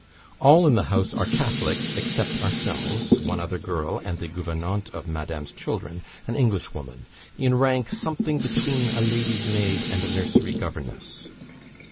All in the house are Catholics except ourselves, one other girl, and the gouvernante of Madame's children, an Englishwoman, in rank something between a lady's maid and a nursery governess.